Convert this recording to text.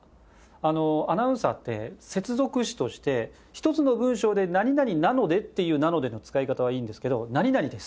アナウンサーって接続詞として１つの文章で「何々なので」っていう「なので」の使い方はいいんですけど「何々です。